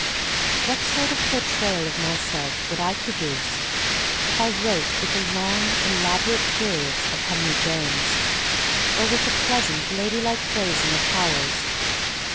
What sort of Portrayal of myself would I produce if I wrote with the long, elaborate periods of Henry James, or with the pleasant, ladylike phrasing of Howells?